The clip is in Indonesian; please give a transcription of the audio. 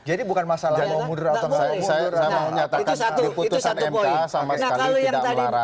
jadi bukan masalah mau mundur atau saya mau menyatakan di putusan mk sama sekali tidak melarang